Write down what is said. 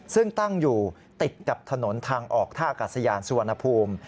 ซึ่งตั้งอยู่ติดกับถนนทางออกท่าอากาศยานสุวรรณภูมิ